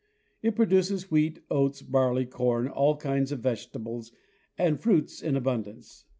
It produces wheat, oats, barley, corn, all kinds of vegetables, and fruits in abundance.